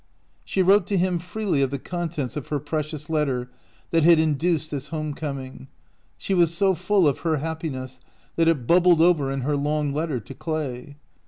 She wrote to him freely of the contents of her precious letter that had induced this 226 OUT OF BOHEMIA home coming. She was so full of her hap piness that it bubbled over in her long letter to Clay.